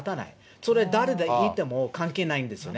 それ、誰でいても関係ないんですよね。